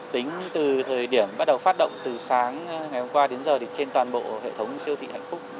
tính từ thời điểm bắt đầu phát động từ sáng ngày hôm qua đến giờ thì trên toàn bộ hệ thống siêu thị hạnh phúc